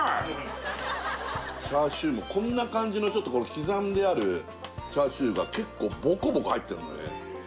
チャーシューもこんな感じのちょっと刻んであるチャーシューが結構ボコボコ入ってんのよね